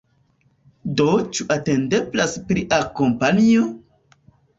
Do ĉu atendeblas plia kampanjo?